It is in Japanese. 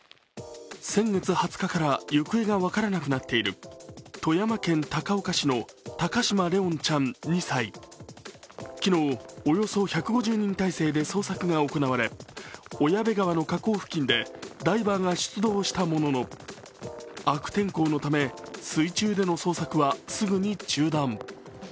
先月２０日から行方が分からなくなっている富山県高岡市の高嶋怜音ちゃん２歳昨日、およそ１５０人態勢で捜索が行われ小矢部川の河口付近でダイバーが出動したものの悪天候のため、水中での捜索はすぐに中断。